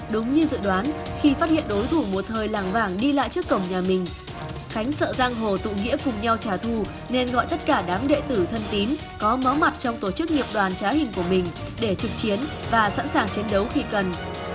đúng như dự đoán khi phát hiện đối thủ một thời làng vàng đi lại trước cổng nhà mình khánh sợ giang hồ tụ nghĩa cùng nhau trả thù nên gọi tất cả đám đệ tử thân tín có mó mặt trong tổ chức nghiệp đoàn trá hình của mình để trực chiến và sẵn sàng chiến đấu khi cần